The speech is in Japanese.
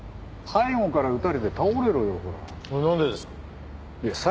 背後から撃たれて倒れろよ。